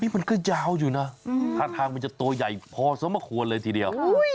มันก็ยาวอยู่นะท่าทางมันจะตัวใหญ่พอสมควรเลยทีเดียว